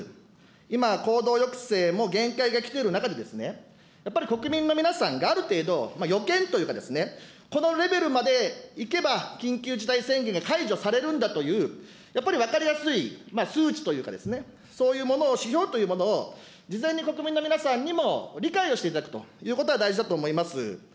今、行動抑制も限界がきている中で、やっぱり国民の皆さんがある程度、予見というか、このレベルまでいけば、緊急事態宣言が解除されるんだという、やっぱり分かりやすい数値というか、そういうものを、指標というものを、事前に国民の皆さんにも理解をしていただくということが大事だと思います。